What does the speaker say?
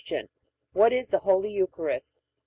What is the Holy Eucharist? A.